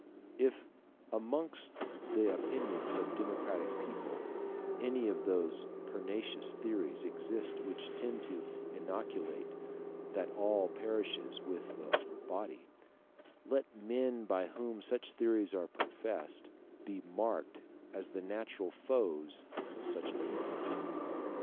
If amongst the opinions of a democratic people any of those pernicious theories exist which tend to inculcate that all perishes with the body, let men by whom such theories are professed be marked as the natural foes of such a people.